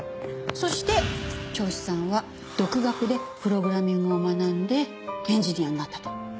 そして銚子さんは独学でプログラミングを学んでエンジニアになったと。